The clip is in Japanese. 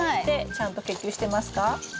ちゃんと結球してますか？